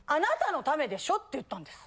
って言ったんです。